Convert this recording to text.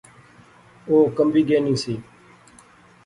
او کمبی گینی سی